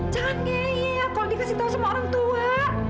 jangan nge ieh kalau dikasih tahu sama orang tua